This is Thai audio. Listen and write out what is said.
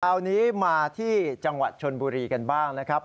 คราวนี้มาที่จังหวัดชนบุรีกันบ้างนะครับ